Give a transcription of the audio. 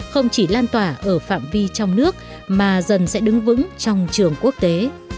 không chỉ lan tỏa ở phạm vi trong nước mà dần sẽ đứng vững trong trường quốc tế